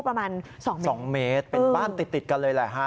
ประมาณ๒เมตรเป็นบ้านติดกันเลยแหละฮะ